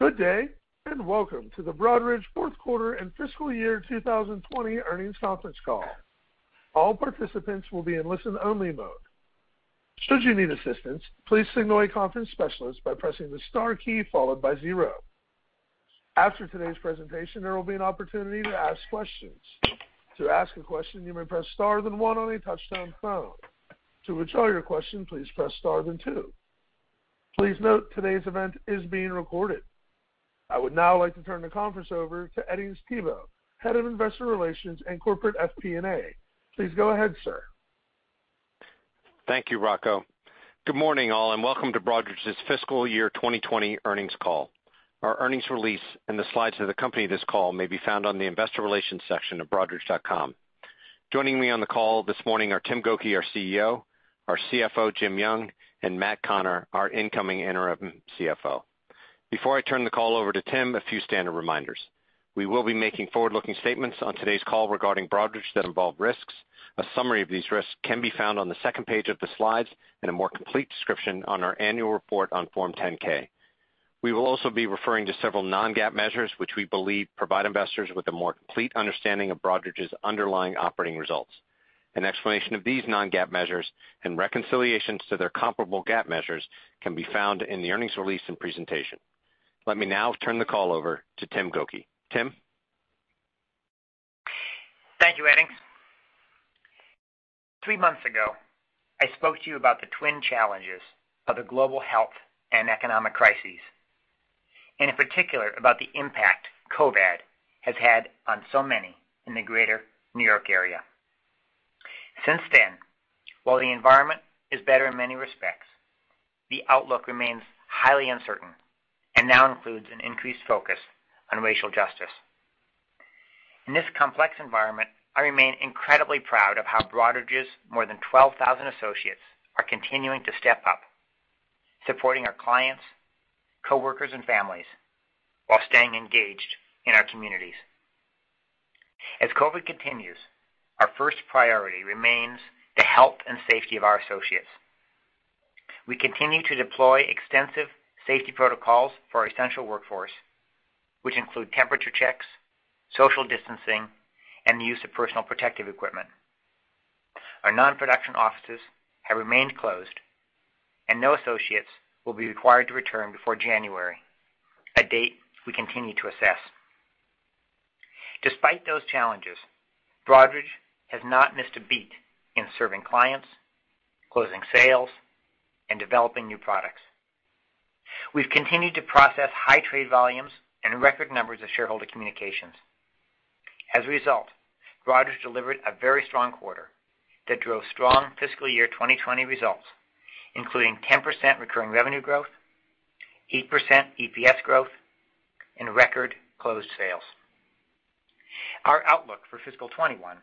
Good day. Welcome to the Broadridge fourth quarter and fiscal year 2020 earnings conference call. All participants will be in listen-only mode. Should you need assistance, please signal a conference specialist by pressing the star key followed by zero. After today's presentation, there will be an opportunity to ask questions. To ask a question, you may press star then one on a touch-tone phone. To withdraw your question, please press star then two. Please note today's event is being recorded. I would now like to turn the conference over to Edings Thibault, Head of Investor Relations and Corporate FP&A. Please go ahead, sir. Thank you, Rocco. Good morning, all, and welcome to Broadridge's fiscal year 2020 earnings call. Our earnings release and the slides that accompany this call may be found on the investor relations section of broadridge.com. Joining me on the call this morning are Timothy Gokey, our CEO, our CFO, James Young, and Matt Connor, our incoming interim CFO. Before I turn the call over to Timothy Gokey, a few standard reminders. We will be making forward-looking statements on today's call regarding Broadridge that involve risks. A summary of these risks can be found on the second page of the slides and a more complete description on our annual report on Form 10-K. We will also be referring to several non-GAAP measures, which we believe provide investors with a more complete understanding of Broadridge's underlying operating results. An explanation of these non-GAAP measures and reconciliations to their comparable GAAP measures can be found in the earnings release and presentation. Let me now turn the call over to Timothy Gokey. Timothy? Thank you, Edings. Three months ago, I spoke to you about the twin challenges of the global health and economic crises, and in particular about the impact COVID has had on so many in the greater New York area. Since then, while the environment is better in many respects, the outlook remains highly uncertain and now includes an increased focus on racial justice. In this complex environment, I remain incredibly proud of how Broadridge's more than 12,000 associates are continuing to step up, supporting our clients, coworkers, and families while staying engaged in our communities. As COVID continues, our first priority remains the health and safety of our associates. We continue to deploy extensive safety protocols for our essential workforce, which include temperature checks, social distancing, and the use of personal protective equipment. Our non-production offices have remained closed, and no associates will be required to return before January, a date we continue to assess. Despite those challenges, Broadridge has not missed a beat in serving clients, closing sales, and developing new products. We've continued to process high trade volumes and record numbers of shareholder communications. As a result, Broadridge delivered a very strong quarter that drove strong fiscal year 2020 results, including 10% recurring revenue growth, 8% EPS growth, and record closed sales. Our outlook for fiscal 2021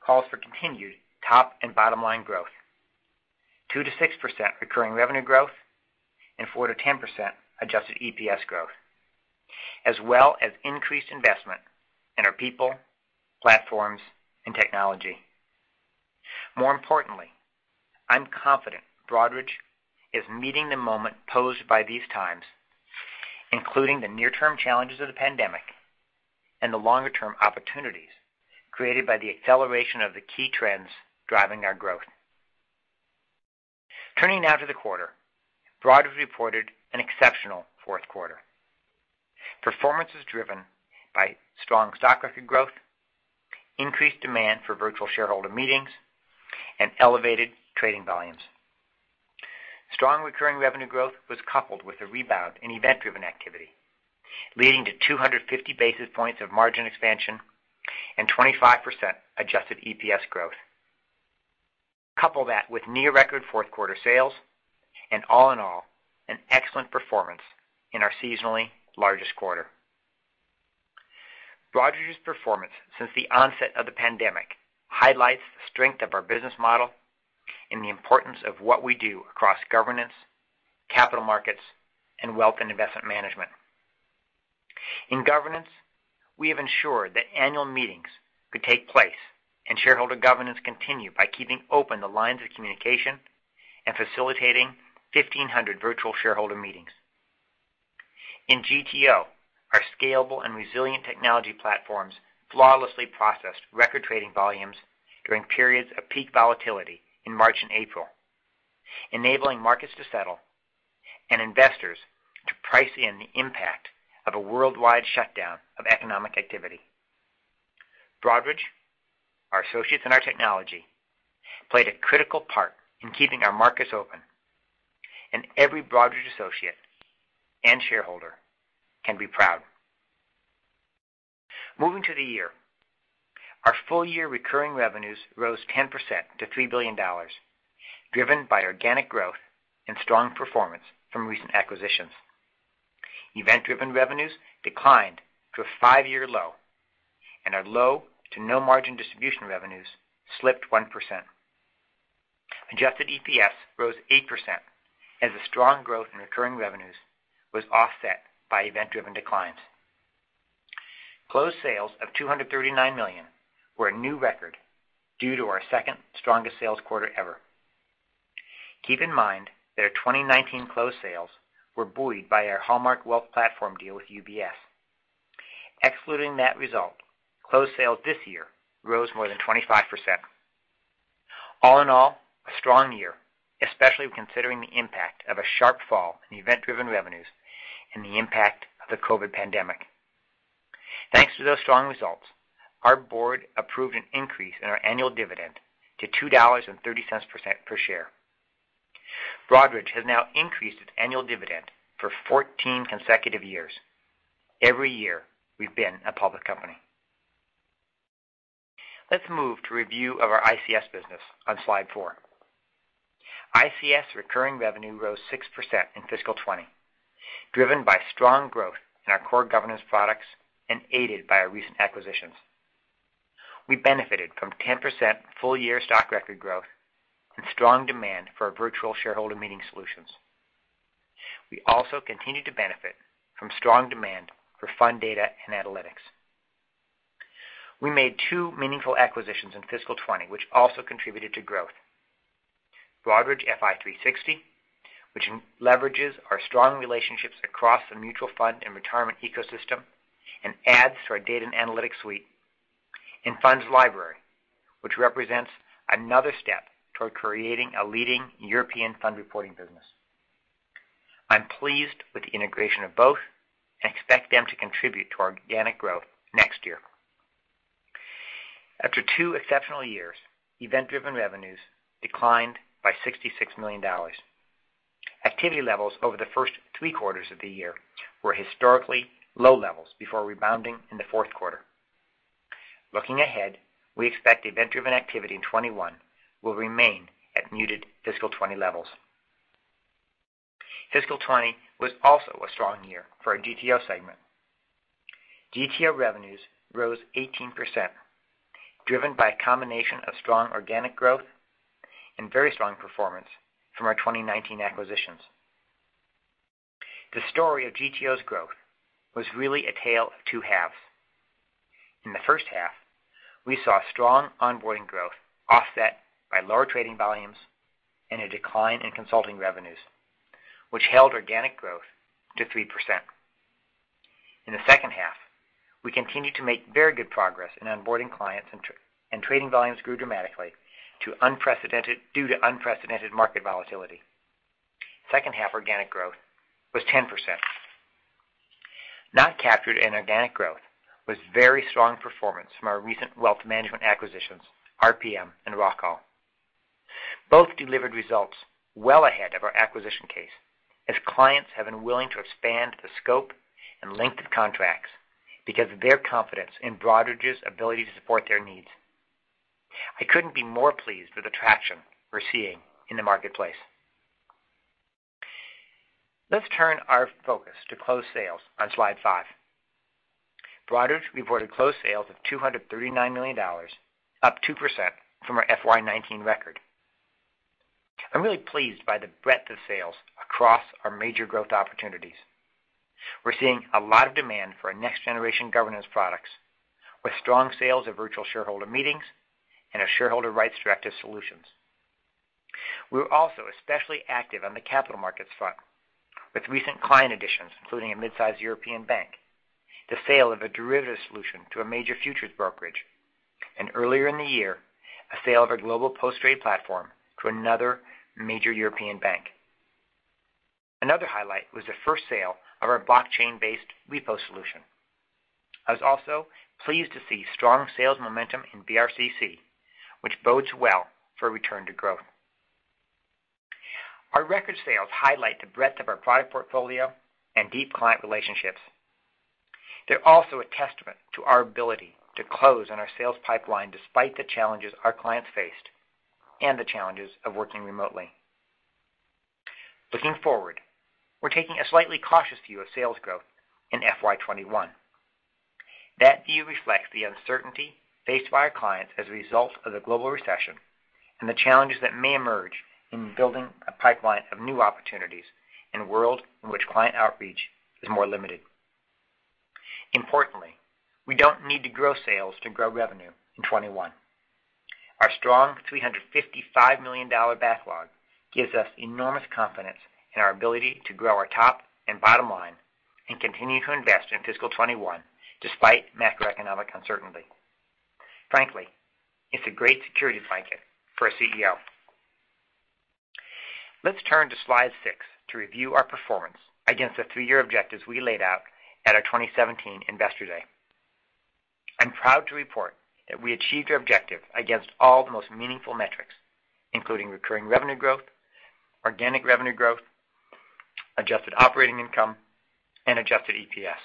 calls for continued top and bottom line growth, 2% to 6% recurring revenue growth, and 4% to 10% adjusted EPS growth, as well as increased investment in our people, platforms, and technology. More importantly, I'm confident Broadridge is meeting the moment posed by these times, including the near-term challenges of the pandemic and the longer-term opportunities created by the acceleration of the key trends driving our growth. Turning now to the quarter, Broadridge reported an exceptional fourth quarter. Performance was driven by strong Stock Record growth, increased demand for virtual shareholder meetings, and elevated trading volumes. Strong recurring revenue growth was coupled with a rebound in event-driven activity, leading to 250 basis points of margin expansion and 25% adjusted EPS growth. Couple that with near record fourth quarter sales and all in all, an excellent performance in our seasonally largest quarter. Broadridge's performance since the onset of the pandemic highlights the strength of our business model and the importance of what we do across governance, capital markets, and wealth and investment management. In governance, we have ensured that annual meetings could take place and shareholder governance continued by keeping open the lines of communication and facilitating 1,500 virtual shareholder meetings. In GTO, our scalable and resilient technology platforms flawlessly processed record trading volumes during periods of peak volatility in March and April, enabling markets to settle and investors to price in the impact of a worldwide shutdown of economic activity. Broadridge, our associates, and our technology played a critical part in keeping our markets open, and every Broadridge associate and shareholder can be proud. Moving to the year, our full year recurring revenues rose 10% to $3 billion, driven by organic growth and strong performance from recent acquisitions. Event-driven revenues declined to a five-year low, and our low to no margin distribution revenues slipped 1%. Adjusted EPS rose 8% as the strong growth in recurring revenues was offset by event-driven declines. Closed sales of $239 million were a new record due to our second strongest sales quarter ever. Keep in mind that our 2019 closed sales were buoyed by our Hallmark Wealth Platform deal with UBS. Excluding that result, closed sales this year rose more than 25%. All in all, a strong year, especially when considering the impact of a sharp fall in event-driven revenues and the impact of the COVID pandemic. Thanks to those strong results, our board approved an increase in our annual dividend to $2.30 per share. Broadridge has now increased its annual dividend for 14 consecutive years, every year we've been a public company. Let's move to review of our ICS business on slide four. ICS recurring revenue rose 6% in fiscal 2020, driven by strong growth in our core governance products and aided by our recent acquisitions. We benefited from 10% full-year stock record growth and strong demand for our virtual shareholder meeting solutions. We also continued to benefit from strong demand for fund data and analytics. We made two meaningful acquisitions in fiscal 2020, which also contributed to growth. Broadridge Fi360, which leverages our strong relationships across the mutual fund and retirement ecosystem and adds to our data and analytics suite. FundsLibrary, which represents another step toward creating a leading European fund reporting business. I'm pleased with the integration of both and expect them to contribute to organic growth next year. After two exceptional years, event-driven revenues declined by $66 million. Activity levels over the first three quarters of the year were historically low levels before rebounding in the fourth quarter. Looking ahead, we expect event-driven activity in 2021 will remain at muted fiscal 2020 levels. Fiscal 2020 was also a strong year for our GTO segment. GTO revenues rose 18%, driven by a combination of strong organic growth and very strong performance from our 2019 acquisitions. The story of GTO's growth was really a tale of two halves. In the first half, we saw strong onboarding growth offset by lower trading volumes and a decline in consulting revenues, which held organic growth to 3%. In the second half, we continued to make very good progress in onboarding clients, and trading volumes grew dramatically due to unprecedented market volatility. Second half organic growth was 10%. Not captured in organic growth was very strong performance from our recent wealth management acquisitions, RPM and Rockall. Both delivered results well ahead of our acquisition case, as clients have been willing to expand the scope and length of contracts because of their confidence in Broadridge's ability to support their needs. I couldn't be more pleased with the traction we're seeing in the marketplace. Let's turn our focus to closed sales on slide five. Broadridge reported closed sales of $239 million, up 2% from our FY 2019 record. I'm really pleased by the breadth of sales across our major growth opportunities. We're seeing a lot of demand for our next-generation governance products, with strong sales of virtual shareholder meetings and our Shareholder Rights Directive solutions. We were also especially active on the capital markets front, with recent client additions, including a mid-size European bank, the sale of a derivative solution to a major futures brokerage, and earlier in the year, a sale of our global post-trade platform to another major European bank. Another highlight was the first sale of our blockchain-based repo solution. I was also pleased to see strong sales momentum in BRCC, which bodes well for a return to growth. Our record sales highlight the breadth of our product portfolio and deep client relationships. They're also a testament to our ability to close on our sales pipeline despite the challenges our clients faced and the challenges of working remotely. Looking forward, we're taking a slightly cautious view of sales growth in FY 2021. That view reflects the uncertainty faced by our clients as a result of the global recession and the challenges that may emerge in building a pipeline of new opportunities in a world in which client outreach is more limited. Importantly, we don't need to grow sales to grow revenue in 2021. Our strong $355 million backlog gives us enormous confidence in our ability to grow our top and bottom line and continue to invest in fiscal 2021, despite macroeconomic uncertainty. Frankly, it's a great security blanket for a CEO. Let's turn to slide six to review our performance against the three-year objectives we laid out at our 2017 Investor Day. I'm proud to report that we achieved our objective against all the most meaningful metrics, including recurring revenue growth, organic revenue growth, adjusted operating income, and adjusted EPS.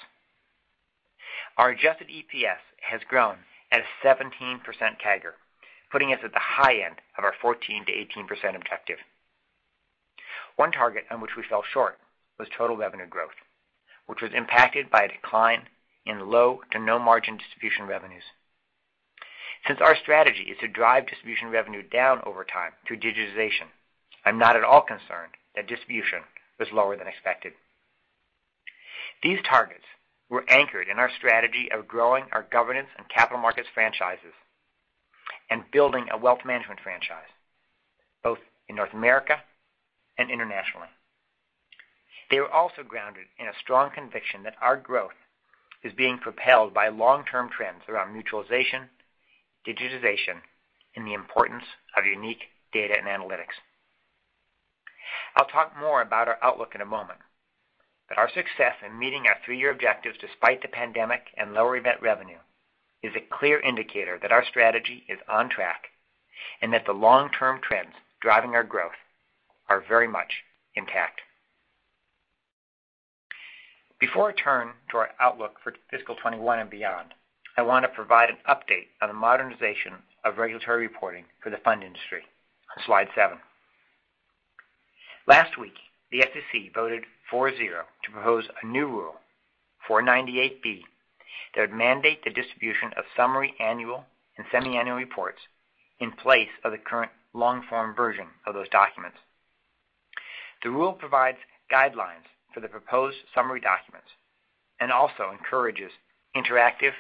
Our adjusted EPS has grown at a 17% CAGR, putting us at the high end of our 14%-18% objective. One target on which we fell short was total revenue growth, which was impacted by a decline in low to no margin distribution revenues. Since our strategy is to drive distribution revenue down over time through digitization, I'm not at all concerned that distribution was lower than expected. These targets were anchored in our strategy of growing our governance and capital markets franchises and building a wealth management franchise, both in North America and internationally. They were also grounded in a strong conviction that our growth is being propelled by long-term trends around mutualization, digitization, and the importance of unique data and analytics. I'll talk more about our outlook in a moment, but our success in meeting our three-year objectives despite the pandemic and lower event revenue is a clear indicator that our strategy is on track, and that the long-term trends driving our growth are very much intact. Before I turn to our outlook for fiscal 2021 and beyond, I want to provide an update on the modernization of regulatory reporting for the fund industry. Slide seven. Last week, the SEC voted four, zero to propose a new rule, 498b, that would mandate the distribution of summary annual and semi-annual reports in place of the current long-form version of those documents. The rule provides guidelines for the proposed summary documents and also encourages interactive,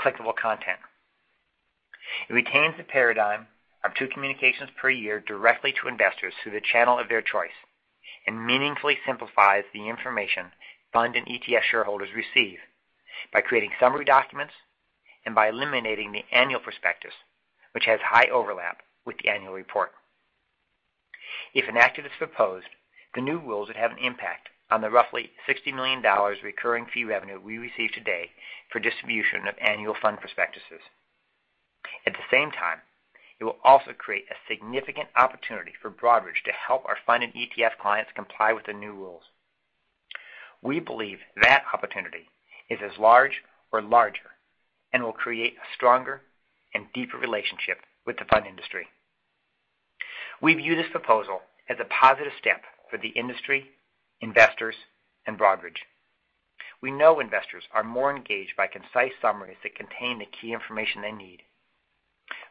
clickable content. It retains the paradigm of two communications per year directly to investors through the channel of their choice, and meaningfully simplifies the information fund and ETF shareholders receive by creating summary documents and by eliminating the annual prospectus, which has high overlap with the annual report. If enacted as proposed, the new rules would have an impact on the roughly $60 million recurring fee revenue we receive today for distribution of annual fund prospectuses. At the same time, it will also create a significant opportunity for Broadridge to help our fund and ETF clients comply with the new rules. We believe that opportunity is as large or larger and will create a stronger and deeper relationship with the fund industry. We view this proposal as a positive step for the industry, investors, and Broadridge. We know investors are more engaged by concise summaries that contain the key information they need.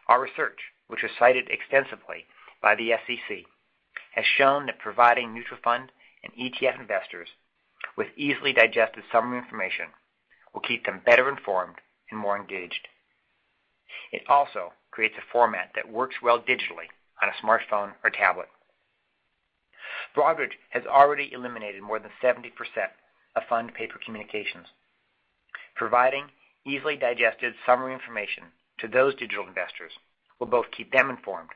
Our research, which was cited extensively by the SEC, has shown that providing mutual fund and ETF investors with easily digested summary information will keep them better informed and more engaged. It also creates a format that works well digitally on a smartphone or tablet. Broadridge has already eliminated more than 70% of fund paper communications. Providing easily digested summary information to those digital investors will both keep them informed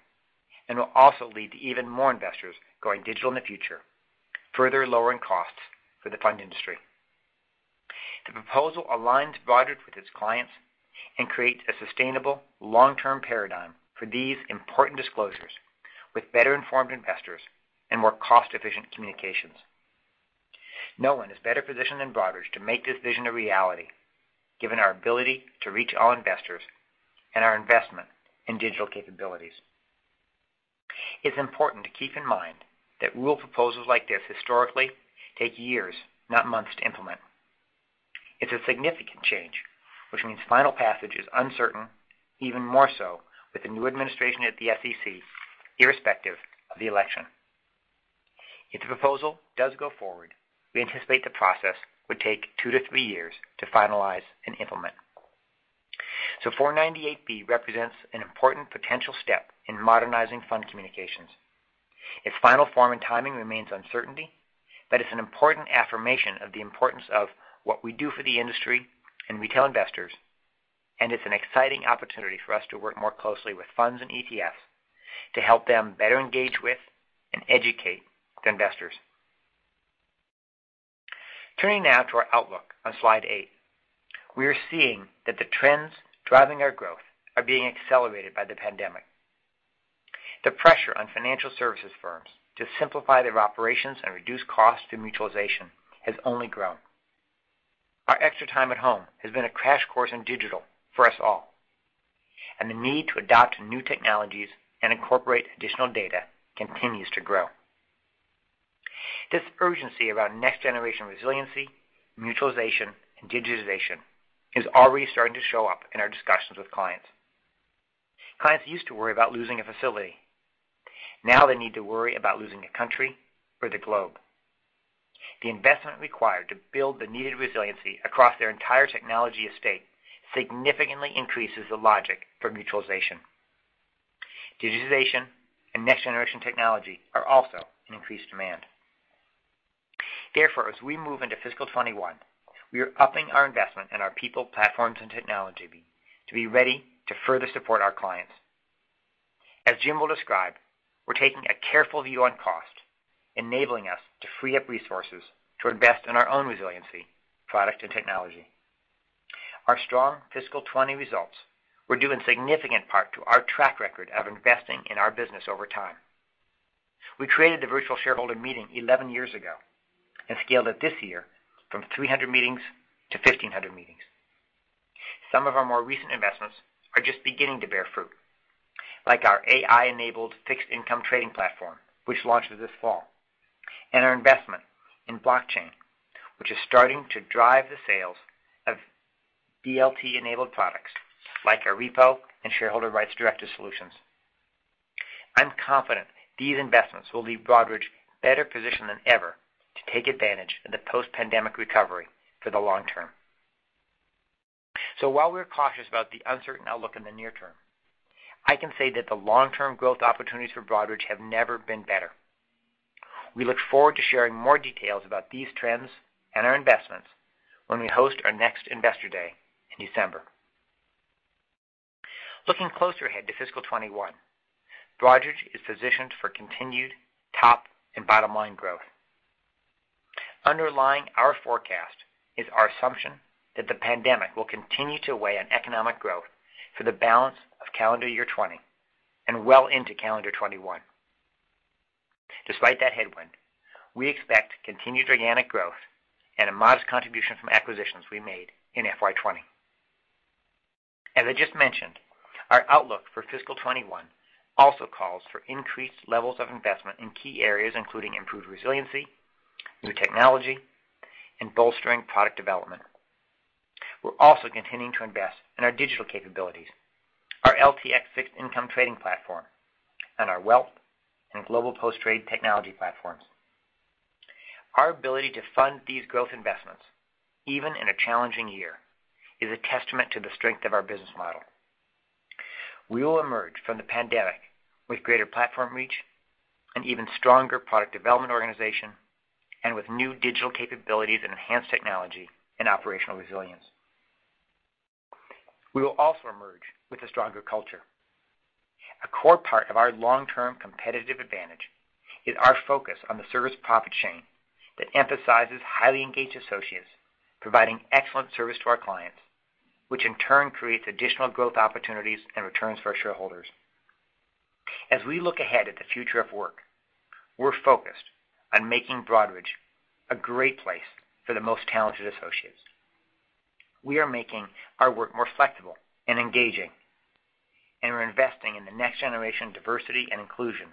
and will also lead to even more investors going digital in the future, further lowering costs for the fund industry. The proposal aligns Broadridge with its clients and creates a sustainable long-term paradigm for these important disclosures with better-informed investors and more cost-efficient communications. No one is better positioned than Broadridge to make this vision a reality, given our ability to reach all investors and our investment in digital capabilities. It's important to keep in mind that rule proposals like this historically take years, not months, to implement. It's a significant change, which means final passage is uncertain, even more so with the new administration at the SEC, irrespective of the election. If the proposal does go forward, we anticipate the process would take two to three years to finalize and implement. 498b represents an important potential step in modernizing fund communications. Its final form and timing remains uncertainty, but it's an important affirmation of the importance of what we do for the industry and retail investors, and it's an exciting opportunity for us to work more closely with funds and ETFs to help them better engage with and educate the investors. Turning now to our outlook on slide eight. We are seeing that the trends driving our growth are being accelerated by the pandemic. The pressure on financial services firms to simplify their operations and reduce costs through mutualization has only grown. Our extra time at home has been a crash course in digital for us all, and the need to adopt new technologies and incorporate additional data continues to grow. This urgency around next-generation resiliency, mutualization, and digitization is already starting to show up in our discussions with clients. Clients used to worry about losing a facility. Now they need to worry about losing a country or the globe. The investment required to build the needed resiliency across their entire technology estate significantly increases the logic for mutualization. Digitization and next-generation technology are also in increased demand. as we move into fiscal 2021, we are upping our investment in our people, platforms, and technology to be ready to further support our clients. As James Young will describe, we're taking a careful view on cost, enabling us to free up resources to invest in our own resiliency, product, and technology. Our strong fiscal 2020 results were due in significant part to our track record of investing in our business over time. We created the virtual shareholder meeting 11 years ago and scaled it this year from 300 meetings to 1500 meetings. Some of our more recent investments are just beginning to bear fruit. our AI-enabled fixed income trading platform, which launches this fall, and our investment in blockchain, which is starting to drive the sales of DLT-enabled products like our repo and Shareholder Rights Directive solutions. I'm confident these investments will leave Broadridge better positioned than ever to take advantage of the post-pandemic recovery for the long term. While we're cautious about the uncertain outlook in the near term, I can say that the long-term growth opportunities for Broadridge have never been better. We look forward to sharing more details about these trends and our investments when we host our next Investor Day in December. Looking closer ahead to fiscal 2021, Broadridge is positioned for continued top and bottom-line growth. Underlying our forecast is our assumption that the pandemic will continue to weigh on economic growth for the balance of calendar year 2020 and well into calendar 2021. Despite that headwind, we expect continued organic growth and a modest contribution from acquisitions we made in FY 2020. As I just mentioned, our outlook for fiscal 2021 also calls for increased levels of investment in key areas, including improved resiliency, new technology, and bolstering product development. We're also continuing to invest in our digital capabilities, our LTX fixed income trading platform, and our wealth and global post-trade technology platforms. Our ability to fund these growth investments, even in a challenging year, is a testament to the strength of our business model. We will emerge from the pandemic with greater platform reach, an even stronger product development organization, and with new digital capabilities and enhanced technology and operational resilience. We will also emerge with a stronger culture. A core part of our long-term competitive advantage is our focus on the service profit chain that emphasizes highly engaged associates, providing excellent service to our clients, which in turn creates additional growth opportunities and returns for our shareholders. As we look ahead at the future of work, we're focused on making Broadridge a great place for the most talented associates. We are making our work more flexible and engaging, and we're investing in the next generation of diversity and inclusion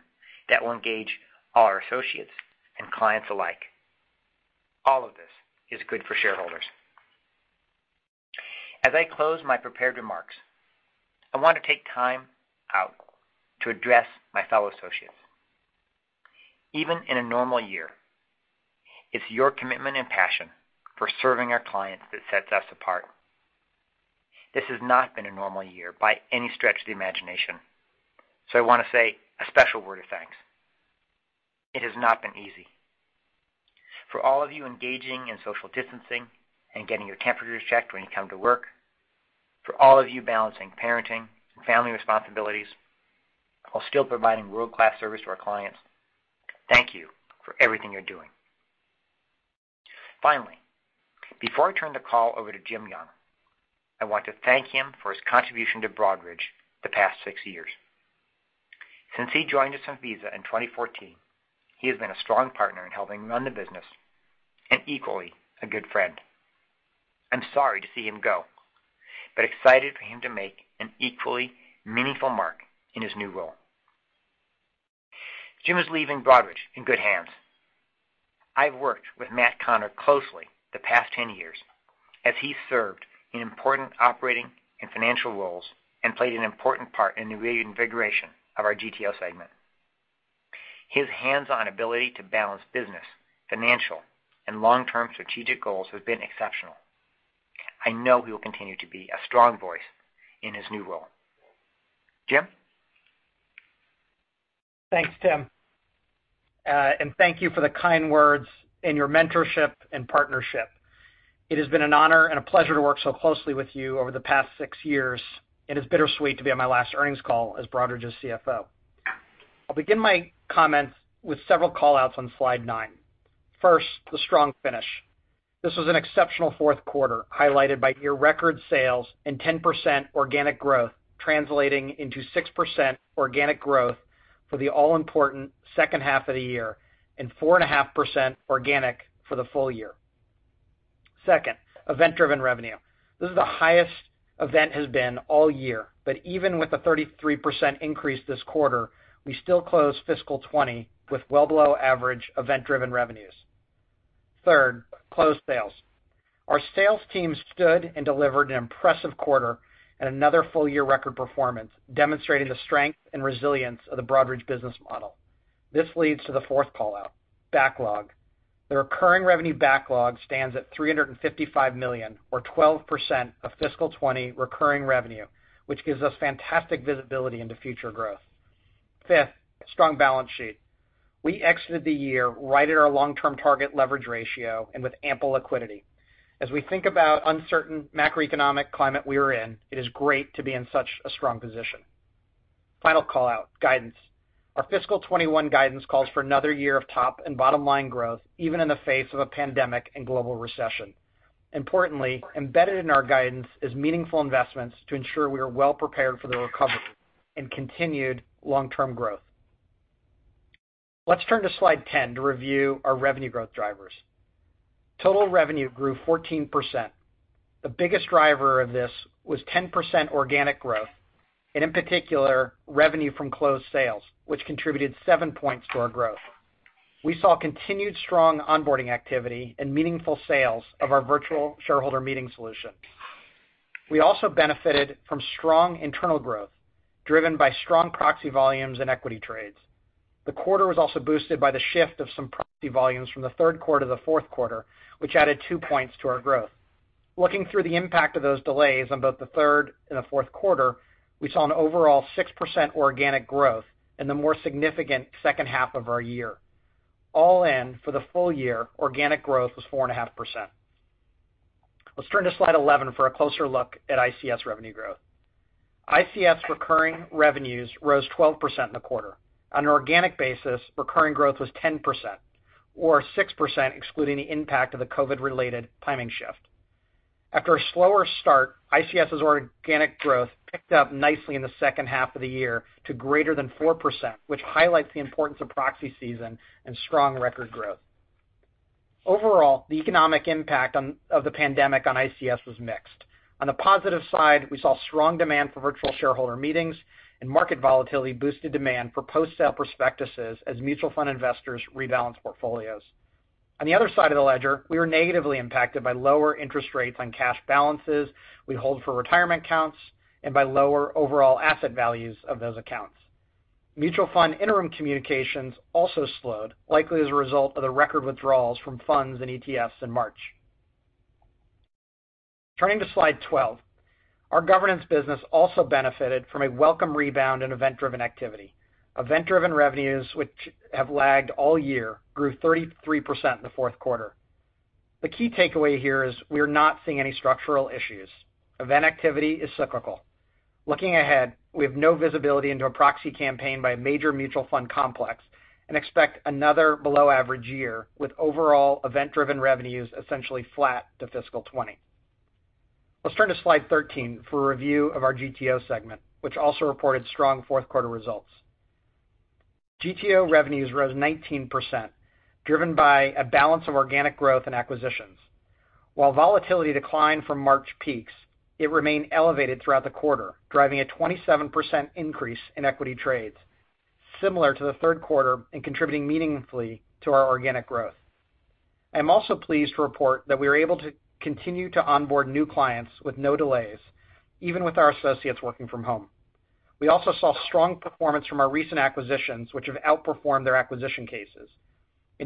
that will engage our associates and clients alike. All of this is good for shareholders. As I close my prepared remarks, I want to take time out to address my fellow associates. Even in a normal year, it's your commitment and passion for serving our clients that sets us apart. This has not been a normal year by any stretch of the imagination, so I want to say a special word of thanks. It has not been easy. For all of you engaging in social distancing and getting your temperatures checked when you come to work, for all of you balancing parenting and family responsibilities while still providing world-class service to our clients, thank you for everything you're doing. Finally, before I turn the call over to James Young, I want to thank him for his contribution to Broadridge the past six years. Since he joined us from Visa in 2014, he has been a strong partner in helping run the business and equally a good friend. I'm sorry to see him go, but excited for him to make an equally meaningful mark in his new role. James Young is leaving Broadridge in good hands. I've worked with Matt Connor closely the past ten years as he served in important operating and financial roles and played an important part in the reinvigoration of our GTO segment. His hands-on ability to balance business, financial, and long-term strategic goals has been exceptional. I know he will continue to be a strong voice in his new role. James? Thanks, Timothy. Thank you for the kind words and your mentorship and partnership. It has been an honor and a pleasure to work so closely with you over the past six years, and it's bittersweet to be on my last earnings call as Broadridge's CFO. I'll begin my comments with several callouts on slide nine. First, the strong finish. This was an exceptional fourth quarter, highlighted by year record sales and 10% organic growth, translating into 6% organic growth for the all-important second half of the year and four and a half% organic for the full year. Second, event-driven revenue. This is the highest event has been all year, but even with a 33% increase this quarter, we still closed fiscal 2020 with well below average event-driven revenues. Third, closed sales. Our sales team stood and delivered an impressive quarter and another full-year record performance, demonstrating the strength and resilience of the Broadridge business model. This leads to the fourth callout, backlog. The recurring revenue backlog stands at $355 million, or 12% of fiscal 2020 recurring revenue, which gives us fantastic visibility into future growth. Fifth, strong balance sheet. We exited the year right at our long-term target leverage ratio and with ample liquidity. As we think about uncertain macroeconomic climate we are in, it is great to be in such a strong position. Final callout, guidance. Our fiscal 2021 guidance calls for another year of top and bottom-line growth, even in the face of a pandemic and global recession. Importantly, embedded in our guidance is meaningful investments to ensure we are well prepared for the recovery and continued long-term growth. Let's turn to slide 10 to review our revenue growth drivers. Total revenue grew 14%. The biggest driver of this was 10% organic growth, and in particular, revenue from closed sales, which contributed seven points to our growth. We saw continued strong onboarding activity and meaningful sales of our virtual shareholder meeting solution. We also benefited from strong internal growth, driven by strong proxy volumes and equity trades. The quarter was also boosted by the shift of some proxy volumes from the third quarter to the fourth quarter, which added two points to our growth. Looking through the impact of those delays on both the third and the fourth quarter, we saw an overall 6% organic growth in the more significant second half of our year. All in, for the full year, organic growth was 4.5%. Let's turn to slide 11 for a closer look at ICS revenue growth. ICS recurring revenues rose 12% in the quarter. On an organic basis, recurring growth was 10%, or 6% excluding the impact of the COVID-related timing shift. After a slower start, ICS's organic growth picked up nicely in the second half of the year to greater than 4%, which highlights the importance of proxy season and strong record growth. Overall, the economic impact of the pandemic on ICS was mixed. On the positive side, we saw strong demand for virtual shareholder meetings and market volatility boosted demand for post-sale prospectuses as mutual fund investors rebalance portfolios. On the other side of the ledger, we were negatively impacted by lower interest rates on cash balances we hold for retirement accounts and by lower overall asset values of those accounts. Mutual fund interim communications also slowed, likely as a result of the record withdrawals from funds and ETFs in March. Turning to slide 12. Our governance business also benefited from a welcome rebound in event-driven activity. Event-driven revenues, which have lagged all year, grew 33% in the fourth quarter. The key takeaway here is we are not seeing any structural issues. Event activity is cyclical. Looking ahead, we have no visibility into a proxy campaign by a major mutual fund complex and expect another below-average year with overall event-driven revenues essentially flat to fiscal 2020. Let's turn to slide 13 for a review of our GTO segment, which also reported strong fourth quarter results. GTO revenues rose 19%, driven by a balance of organic growth and acquisitions. While volatility declined from March peaks, it remained elevated throughout the quarter, driving a 27% increase in equity trades, similar to the third quarter and contributing meaningfully to our organic growth. I'm also pleased to report that we are able to continue to onboard new clients with no delays, even with our associates working from home. We also saw strong performance from our recent acquisitions, which have outperformed their acquisition cases.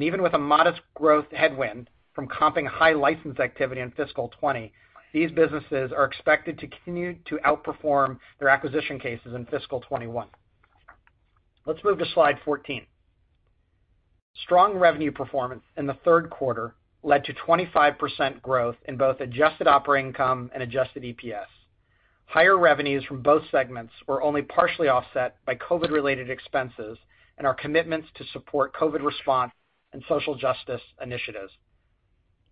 Even with a modest growth headwind from comping high license activity in fiscal 2020, these businesses are expected to continue to outperform their acquisition cases in fiscal 2021. Let's move to slide 14. Strong revenue performance in the third quarter led to 25% growth in both adjusted operating income and adjusted EPS. Higher revenues from both segments were only partially offset by COVID-related expenses and our commitments to support COVID response and social justice initiatives.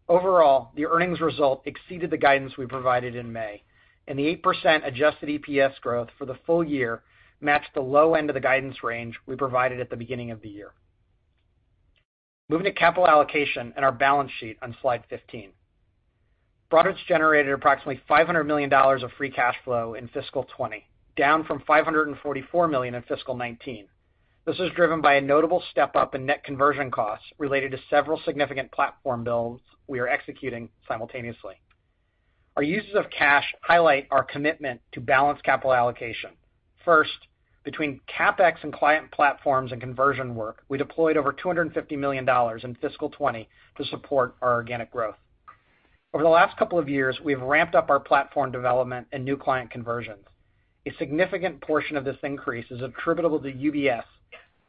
Overall, the earnings result exceeded the guidance we provided in May, and the 8% adjusted EPS growth for the full year matched the low end of the guidance range we provided at the beginning of the year. Moving to capital allocation and our balance sheet on slide 15. Broadridge generated approximately $500 million of free cash flow in fiscal 2020, down from $544 million in fiscal 2019. This was driven by a notable step-up in net conversion costs related to several significant platform builds we are executing simultaneously. Our uses of cash highlight our commitment to balanced capital allocation. First, between CapEx and client platforms and conversion work, we deployed over $250 million in fiscal 2020 to support our organic growth. Over the last couple of years, we've ramped up our platform development and new client conversions. A significant portion of this increase is attributable to UBS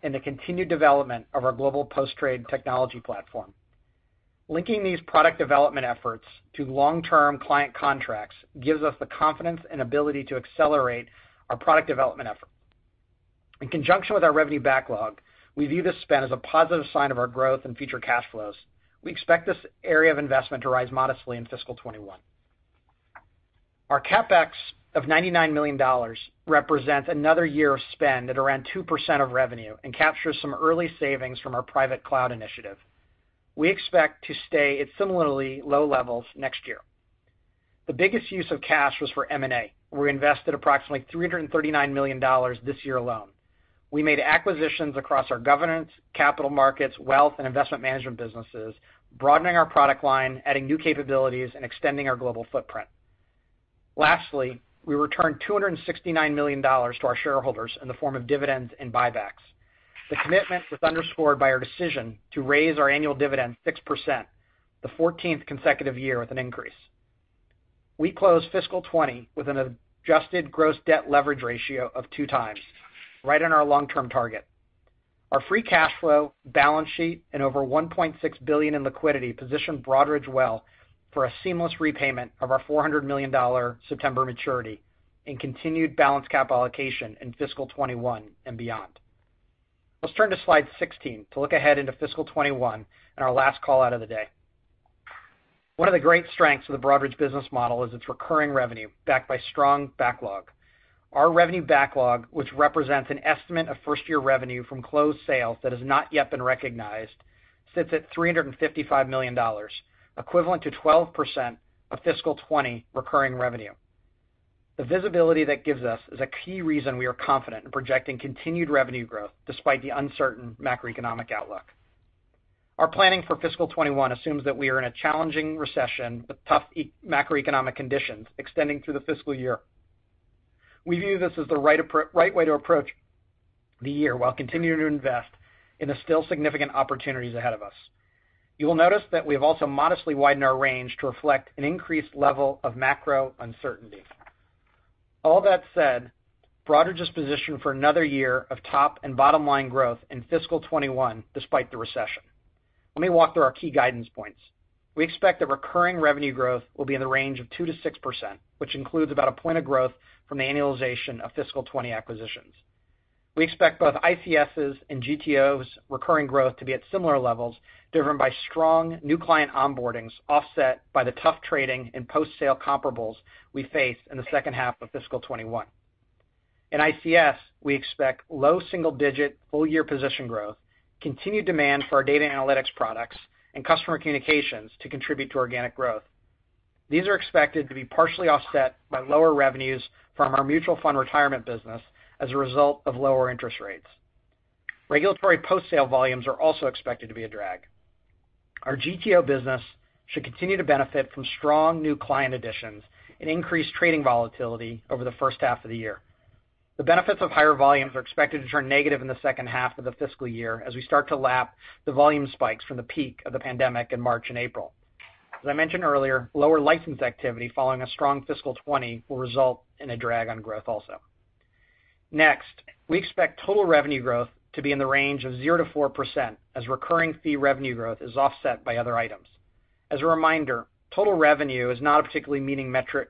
and the continued development of our global post-trade technology platform. Linking these product development efforts to long-term client contracts gives us the confidence and ability to accelerate our product development effort. In conjunction with our revenue backlog, we view this spend as a positive sign of our growth and future cash flows. We expect this area of investment to rise modestly in fiscal 2021. Our CapEx of $99 million represents another year of spend at around 2% of revenue and captures some early savings from our private cloud initiative. We expect to stay at similarly low levels next year. The biggest use of cash was for M&A, where we invested approximately $339 million this year alone. We made acquisitions across our governance, capital markets, wealth, and investment management businesses, broadening our product line, adding new capabilities, and extending our global footprint. Lastly, we returned $269 million to our shareholders in the form of dividends and buybacks. The commitment was underscored by our decision to raise our annual dividend 6%, the 14th consecutive year with an increase. We closed fiscal 2020 with an adjusted gross debt leverage ratio of two times, right on our long-term target. Our free cash flow, balance sheet, and over $1.6 billion in liquidity position Broadridge well for a seamless repayment of our $400 million September maturity and continued balanced cap allocation in fiscal 2021 and beyond. Let's turn to slide 16 to look ahead into fiscal 2021 and our last call out of the day. One of the great strengths of the Broadridge business model is its recurring revenue, backed by strong backlog. Our revenue backlog, which represents an estimate of first-year revenue from closed sales that has not yet been recognized, sits at $355 million, equivalent to 12% of fiscal 2020 recurring revenue. The visibility that gives us is a key reason we are confident in projecting continued revenue growth despite the uncertain macroeconomic outlook. Our planning for fiscal 2021 assumes that we are in a challenging recession with tough macroeconomic conditions extending through the fiscal year. We view this as the right way to approach the year, while continuing to invest in the still significant opportunities ahead of us. You will notice that we've also modestly widened our range to reflect an increased level of macro uncertainty. All that said, Broadridge is positioned for another year of top and bottom-line growth in fiscal 2021, despite the recession. Let me walk through our key guidance points. We expect the recurring revenue growth will be in the range of 2%-6%, which includes about a point of growth from the annualization of fiscal 2020 acquisitions. We expect both ICSs and GTOs recurring growth to be at similar levels, driven by strong new client onboardings, offset by the tough trading and post-sale comparables we face in the second half of fiscal 2021. In ICS, we expect low single-digit full-year position growth, continued demand for our data analytics products, and customer communications to contribute to organic growth. These are expected to be partially offset by lower revenues from our mutual fund retirement business as a result of lower interest rates. Regulatory post-sale volumes are also expected to be a drag. Our GTO business should continue to benefit from strong new client additions and increased trading volatility over the first half of the year. The benefits of higher volumes are expected to turn negative in the second half of the fiscal year as we start to lap the volume spikes from the peak of the pandemic in March and April. As I mentioned earlier, lower license activity following a strong fiscal 2020 will result in a drag on growth also. Next, we expect total revenue growth to be in the range of 0%-4% as recurring fee revenue growth is offset by other items. As a reminder, total revenue is not a particularly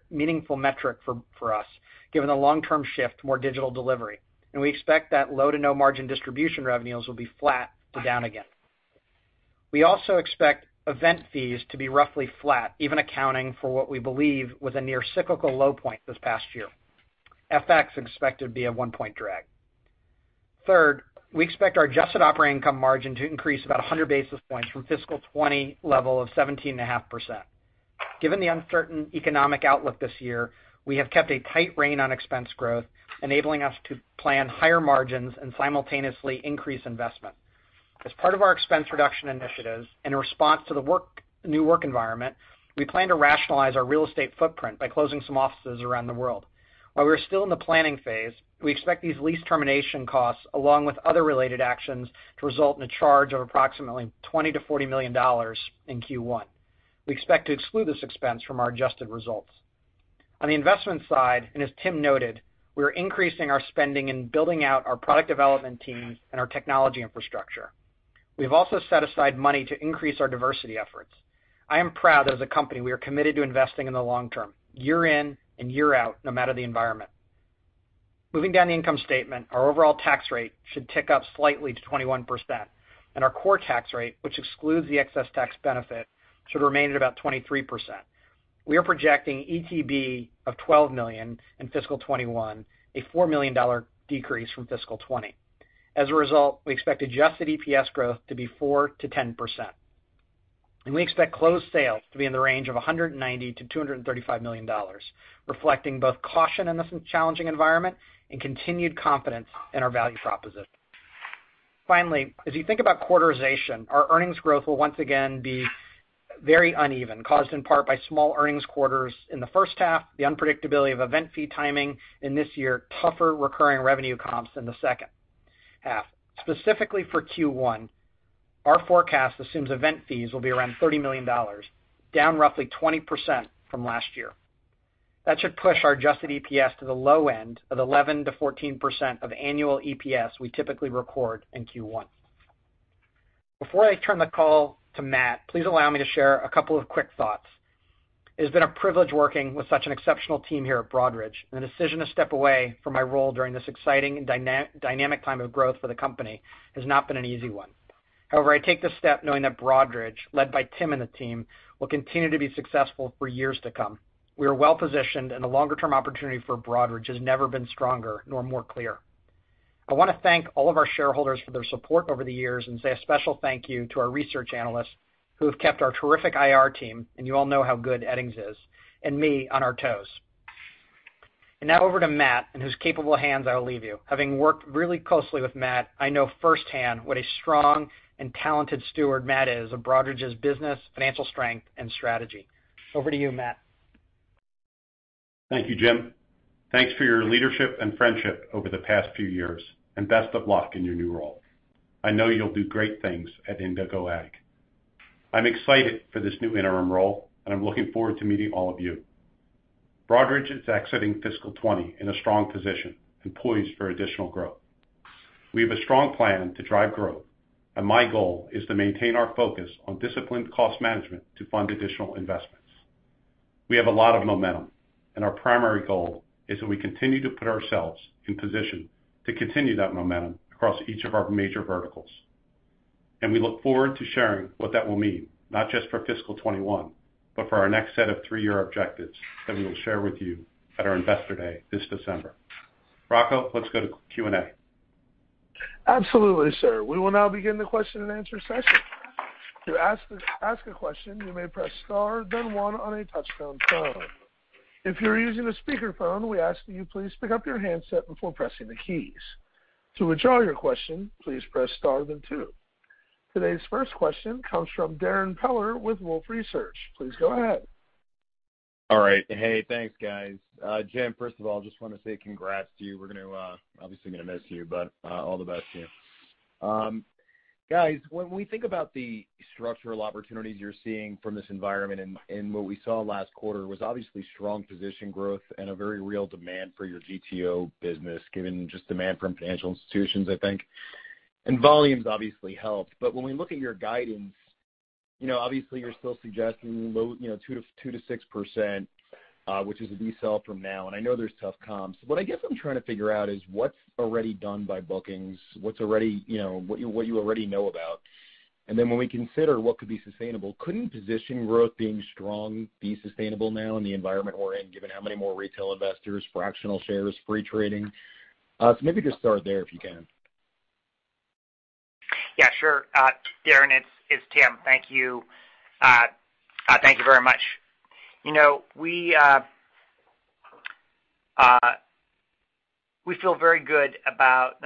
meaningful metric for us, given the long-term shift to more digital delivery, and we expect that low to no margin distribution revenues will be flat to down again. We also expect event fees to be roughly flat, even accounting for what we believe was a near cyclical low point this past year. FX expected to be a one-point drag. Third, we expect our adjusted operating income margin to increase about 100 basis points from fiscal 2020 level of 17.5%. Given the uncertain economic outlook this year, we have kept a tight rein on expense growth, enabling us to plan higher margins and simultaneously increase investment. As part of our expense reduction initiatives and in response to the new work environment, we plan to rationalize our real estate footprint by closing some offices around the world. While we're still in the planning phase, we expect these lease termination costs, along with other related actions, to result in a charge of approximately $20 million-$40 million in Q1. We expect to exclude this expense from our adjusted results. On the investment side, and as Timothy Gokey noted, we are increasing our spending and building out our product development teams and our technology infrastructure. We have also set aside money to increase our diversity efforts. I am proud as a company, we are committed to investing in the long term, year in and year out, no matter the environment. Moving down the income statement, our overall tax rate should tick up slightly to 21%, and our core tax rate, which excludes the excess tax benefit, should remain at about 23%. We are projecting ETB of $12 million in fiscal 2021, a $4 million decrease from fiscal 2020. As a result, we expect adjusted EPS growth to be 4% to 10%. We expect closed sales to be in the range of $190 million-$235 million, reflecting both caution in this challenging environment and continued confidence in our value proposition. Finally, as you think about quarterization, our earnings growth will once again be very uneven, caused in part by small earnings quarters in the first half, the unpredictability of event fee timing, and this year, tougher recurring revenue comps in the second half. Specifically for Q1, our forecast assumes event fees will be around $30 million, down roughly 20% from last year. That should push our adjusted EPS to the low end of 11%-14% of annual EPS we typically record in Q1. Before I turn the call to Matt Connor, please allow me to share a couple of quick thoughts. It has been a privilege working with such an exceptional team here at Broadridge. The decision to step away from my role during this exciting and dynamic time of growth for the company has not been an easy one. However, I take this step knowing that Broadridge, led by Tim and the team, will continue to be successful for years to come. We are well-positioned, and the longer-term opportunity for Broadridge has never been stronger nor more clear. I want to thank all of our shareholders for their support over the years and say a special thank you to our research analysts who have kept our terrific IR team, and you all know how good Edings Thibault, and me on our toes. Now over to Matt Connor, in whose capable hands I will leave you. Having worked really closely with Matt Connor, I know firsthand what a strong and talented steward Matt Connor is of Broadridge's business, financial strength, and strategy. Over to you, Matt Connor. Thank you, James. Thanks for your leadership and friendship over the past few years, and best of luck in your new role. I know you'll do great things at Indigo Ag. I'm excited for this new interim role, and I'm looking forward to meeting all of you. Broadridge is exiting fiscal 2020 in a strong position and poised for additional growth. We have a strong plan to drive growth, and my goal is to maintain our focus on disciplined cost management to fund additional investments. We have a lot of momentum, and our primary goal is that we continue to put ourselves in position to continue that momentum across each of our major verticals. We look forward to sharing what that will mean, not just for fiscal 2021, but for our next set of three-year objectives that we will share with you at our Investor Day this December. Rocco, let's go to Q&A. Absolutely, sir. We will now begin the question and answer session. To ask a question, you may press star then one on a touch-tone phone. If you're using a speakerphone, we ask that you please pick up your handset before pressing the keys. To withdraw your question, please press star then two. Today's first question comes from Darrin Peller with Wolfe Research. Please go ahead. All right. Hey, thanks guys. James Young, first of all, just want to say congrats to you. We're obviously going to miss you, but all the best to you. Guys, when we think about the structural opportunities you're seeing from this environment and what we saw last quarter was obviously strong positive growth and a very real demand for your GTO business, given just demand from financial institutions, I think. Volumes obviously helped. When we look at your guidance, obviously you're still suggesting low two to 6%, which is a decel from now, and I know there's tough comps. What I guess I'm trying to figure out is what's already done by bookings. What you already know about. When we consider what could be sustainable, couldn't position growth being strong be sustainable now in the environment we're in, given how many more retail investors, fractional shares, free trading? maybe just start there if you can. Yeah, sure. Darrin, it's Timothy Gokey. Thank you very much. Let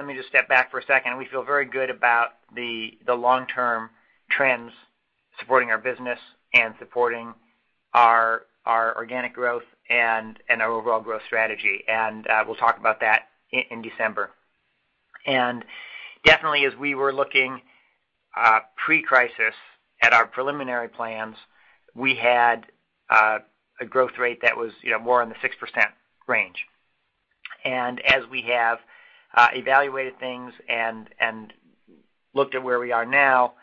me just step back for a second. We feel very good about the long-term trends supporting our business and supporting our organic growth and our overall growth strategy. We'll talk about that in December. Definitely as we were looking pre-crisis at our preliminary plans, we had a growth rate that was more in the 6% range. As we have evaluated things and looked at where we are now,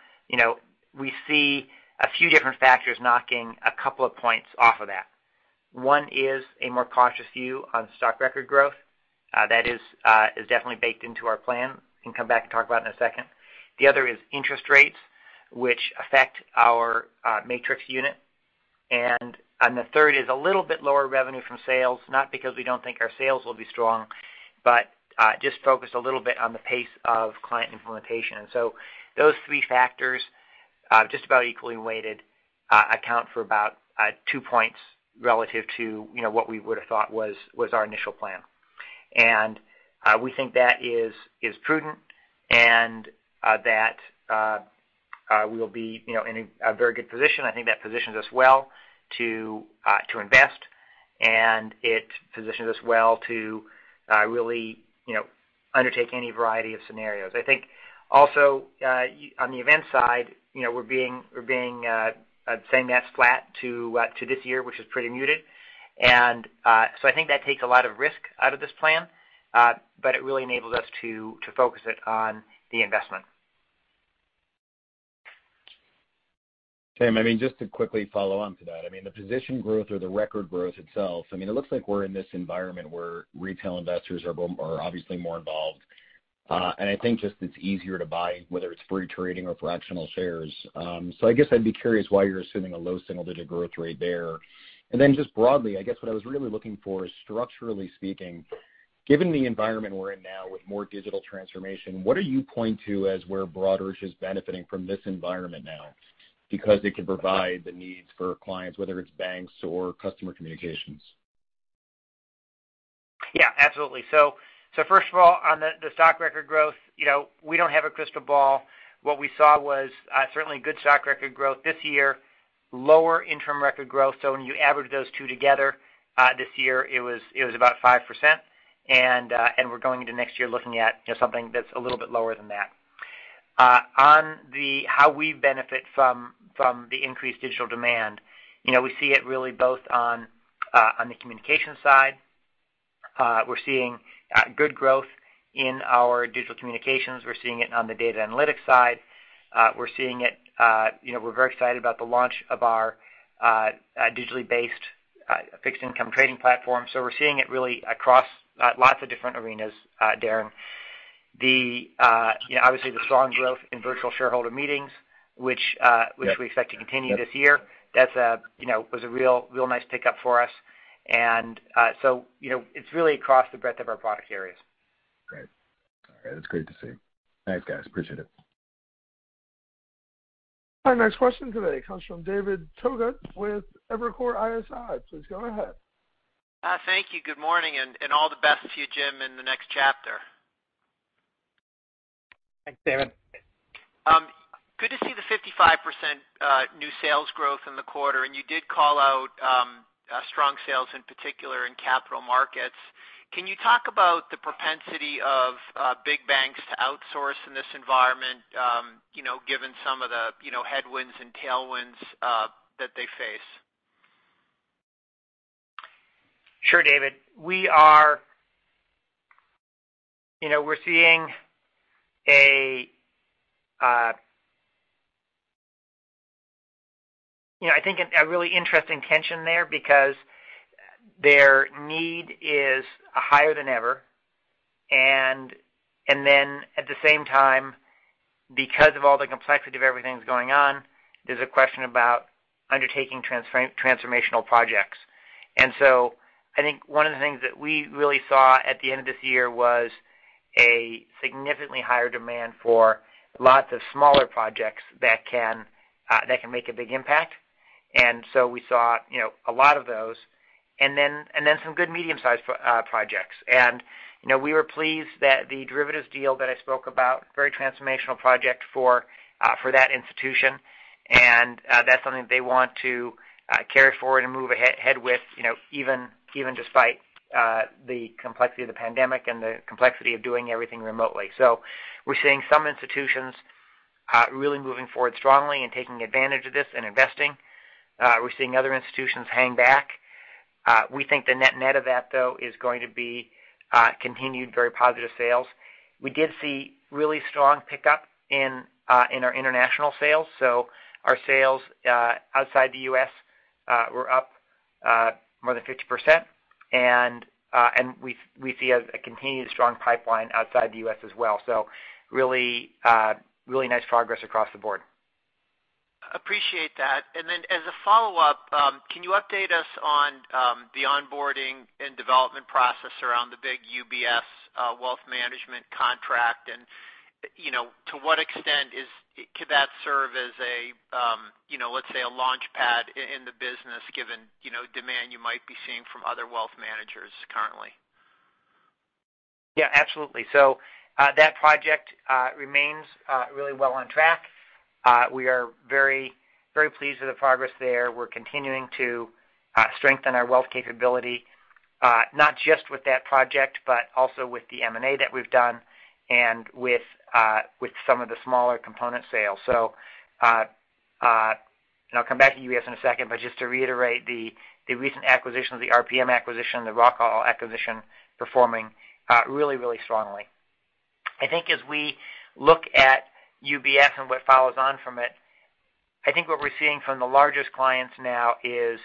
we see a few different factors knocking a couple of points off of that. One is a more cautious view on stock record growth. That is definitely baked into our plan. We can come back and talk about it in a second. The other is interest rates, which affect our Matrix unit. The third is a little bit lower revenue from sales, not because we don't think our sales will be strong, but just focused a little bit on the pace of client implementation. Those three factors, just about equally weighted, account for about two points relative to what we would've thought was our initial plan. We think that is prudent and that we'll be in a very good position. I think that positions us well to invest, and it positions us well to really undertake any variety of scenarios. I think also, on the events side, we've been saying that's flat to this year, which is pretty muted. I think that takes a lot of risk out of this plan, but it really enables us to focus it on the investment. Timothy, just to quickly follow on to that. The positive growth or the record growth itself, it looks like we're in this environment where retail investors are obviously more involved. I think just it's easier to buy, whether it's free trading or fractional shares. I guess I'd be curious why you're assuming a low single-digit growth rate there. just broadly, I guess what I was really looking for is structurally speaking, given the environment we're in now with more digital transformation, what do you point to as where Broadridge is benefiting from this environment now? Because it can provide the needs for clients, whether it's banks or customer communications. Yeah, absolutely. First of all, on the stock record growth, we don't have a crystal ball. What we saw was certainly good stock record growth this year, lower interim record growth. When you average those two together, this year it was about 5%, and we're going into next year looking at something that's a little bit lower than that. On how we benefit from the increased digital demand, we see it really both on the communication side. We're seeing good growth in our digital communications. We're seeing it on the data analytics side. We're very excited about the launch of our digitally based fixed income trading platform. We're seeing it really across lots of different arenas, Darrin. Obviously the strong growth in virtual shareholder meetings, which we expect to continue this year. That was a real nice pickup for us. It's really across the breadth of our product areas. Great. All right. That's great to see. Thanks, guys. Appreciate it. Our next question today comes from David Togut with Evercore ISI. Please go ahead. Thank you. Good morning, and all the best to you, James Young, in the next chapter. Thanks, David. Good to see the 55% new sales growth in the quarter, and you did call out strong sales, in particular in capital markets. Can you talk about the propensity of big banks to outsource in this environment given some of the headwinds and tailwinds that they face? Sure, David. We're seeing, I think, a really interesting tension there because their need is higher than ever. At the same time, because of all the complexity of everything that's going on, there's a question about undertaking transformational projects. I think one of the things that we really saw at the end of this year was a significantly higher demand for lots of smaller projects that can make a big impact. We saw a lot of those. Some good medium-sized projects. We were pleased that the derivatives deal that I spoke about, very transformational project for that institution. That's something that they want to carry forward and move ahead with, even despite the complexity of the pandemic and the complexity of doing everything remotely. We're seeing some institutions really moving forward strongly and taking advantage of this and investing. We're seeing other institutions hang back. We think the net-net of that, though, is going to be continued very positive sales. We did see really strong pickup in our international sales. Our sales outside the U.S. were up more than 50%, and we see a continued strong pipeline outside the U.S. as well. Really nice progress across the board. Appreciate that. As a follow-up, can you update us on the onboarding and development process around the big UBS wealth management contract? To what extent could that serve as a, let's say, a launchpad in the business, given demand you might be seeing from other wealth managers currently? Yeah, absolutely. That project remains really well on track. We are very pleased with the progress there. We're continuing to strengthen our wealth capability. Not just with that project, but also with the M&A that we've done and with some of the smaller component sales. I'll come back to UBS in a second, but just to reiterate the recent acquisition of the RPM acquisition, the Rockall acquisition, performing really strongly. I think as we look at UBS and what follows on from it, I think what we're seeing from the largest clients now is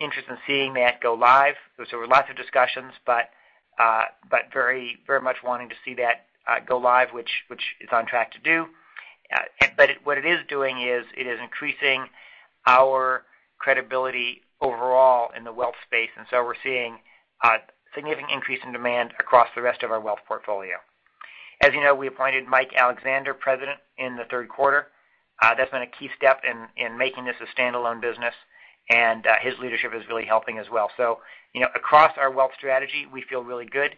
interest in seeing that go live. There were lots of discussions but very much wanting to see that go live, which it's on track to do. What it is doing is it is increasing our credibility overall in the wealth space, and so we're seeing a significant increase in demand across the rest of our wealth portfolio. As you know, we appointed Michael Alexander President in the third quarter. That's been a key step in making this a standalone business, and his leadership is really helping as well. Across our wealth strategy, we feel really good.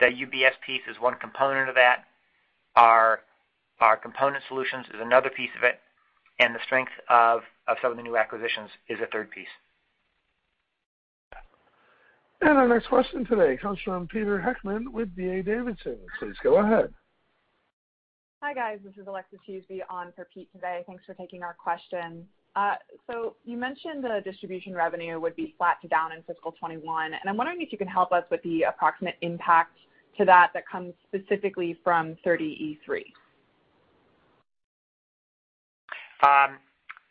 The UBS piece is one component of that. Our component solutions is another piece of it, and the strength of some of the new acquisitions is a third piece. Our next question today comes from Pete Heckmann with D.A. Davidson. Please go ahead. Hi, guys. This is Alexis Hughes on for Pete today. Thanks for taking our question. You mentioned the distribution revenue would be flat to down in fiscal 2021. I'm wondering if you can help us with the approximate impact to that that comes specifically from Rule 30e-3.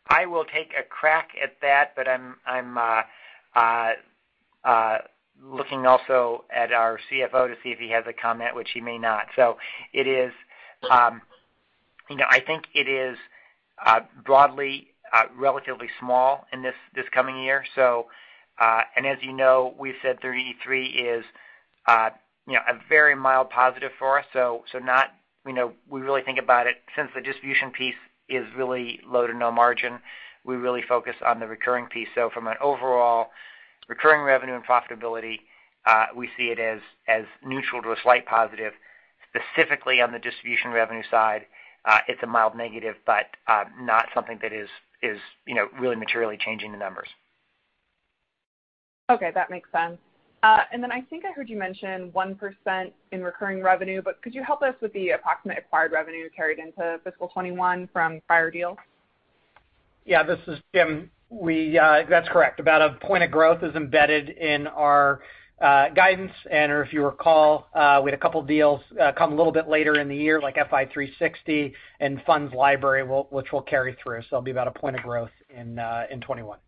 I will take a crack at that, but I'm looking also at our CFO to see if he has a comment, which he may not. I think it is broadly relatively small in this coming year. As you know, we've said Rule 30e-3 is a very mild positive for us. We really think about it since the distribution piece is really low to no margin. We really focus on the recurring piece. From an overall recurring revenue and profitability, we see it as neutral to a slight positive. Specifically on the distribution revenue side, it's a mild negative, but not something that is really materially changing the numbers. Okay. That makes sense. I think I heard you mention 1% in recurring revenue, could you help us with the approximate acquired revenue carried into fiscal 2021 from prior deals? Yeah. This is James Young. That's correct. About one point of growth is embedded in our guidance, and if you recall, we had two deals come a little bit later in the year, like Fi360 and FundsLibrary, which will carry through. There'll be about one point of growth in 2021.